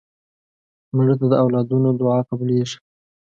مړه ته د اولادونو دعا قبلیږي